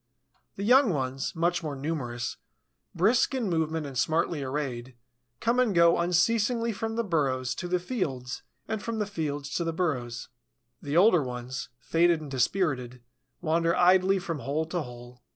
The young ones, much more numerous, brisk in movement and smartly arrayed, come and go unceasingly from the burrows to the fields and from the fields to the burrows. The older ones, faded and dispirited, wander idly from hole to hole.